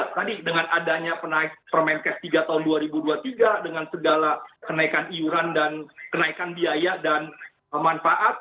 tadi dengan adanya permenkes tiga tahun dua ribu dua puluh tiga dengan segala kenaikan iuran dan kenaikan biaya dan manfaat